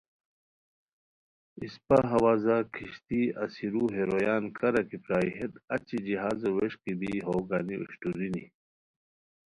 اِسپہ ہوازہ کشتی اسیرو ہے رویان کارا کی پرائے ہیت اچی جہازو وݰکی بی ہو گانی اوشٹورینی